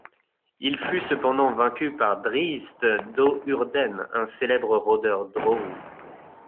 Il fut cependant vaincu par Drizzt Do'Urden, un célèbre rodeur drow.